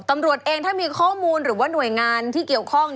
ตำรวจเองถ้ามีข้อมูลหรือว่าหน่วยงานที่เกี่ยวข้อง